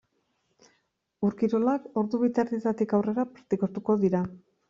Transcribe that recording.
Ur-kirolak ordu bi eta erdietatik aurrera praktikatuko dira.